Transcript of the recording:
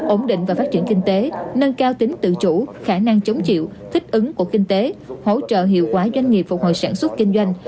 ổn định và phát triển kinh tế nâng cao tính tự chủ khả năng chống chịu thích ứng của kinh tế hỗ trợ hiệu quả doanh nghiệp phục hồi sản xuất kinh doanh